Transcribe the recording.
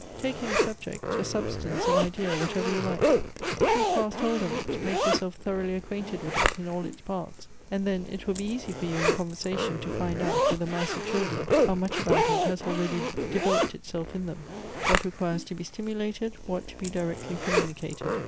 Take any subject, a substance, an idea, what ever you like ; keep fast hold of it ; make yourself thor oughly acquainted with it in all its parts, and then it will be easy for you, in Qpiiversation, to find out, with a mass of children, how much about it has already developed itself in them; what requires to be stimulated, what to be directly communicated.